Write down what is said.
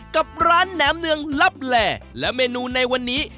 กับร้านแหนมเนืองลับแหล่และเมนูในวันนี้